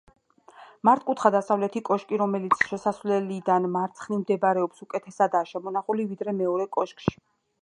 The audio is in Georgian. მართკუთხა დასავლეთი კოშკი, რომელიც შესასვლელიდან მარცხნივ მდებარეობს უკეთესადაა შემონახული ვიდრე მეორე კოშკი.